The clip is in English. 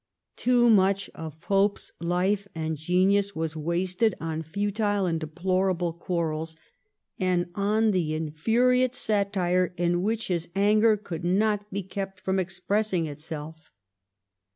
Too much of Pope's life and genius was wasted on futile and deplorable quarrels and on the infuriate satire in which his anger could not be kept from expressing itself.